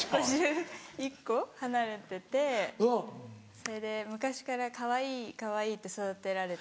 それで昔からかわいいかわいいって育てられて。